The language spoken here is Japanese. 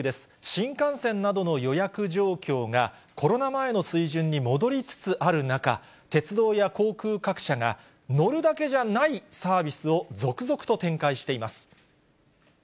新幹線などの予約状況が、コロナ前の水準に戻りつつある中、鉄道や航空各社が、乗るだけじゃないサービスを続々と展開しています。